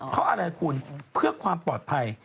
เพราะอะไรคุณเพื่อความปลอดภัย